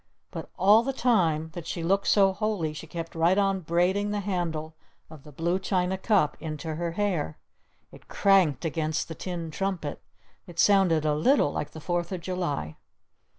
But all the time that she looked so holy she kept right on braiding the handle of the blue china cup into her hair. It cranked against the tin trumpet. It sounded a little like the 4th of July.